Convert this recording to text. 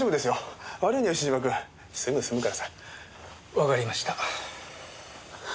わかりました。